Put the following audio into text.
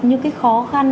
những cái khó khăn